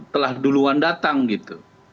telah duluan datang gitu